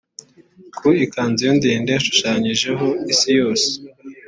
Ku ikanzu ye ndende, hashushanyijeho isi yose,